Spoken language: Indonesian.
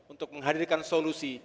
untuk menghadirkan solusi